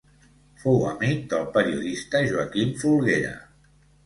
Fou amic del periodista Joaquim Folguera.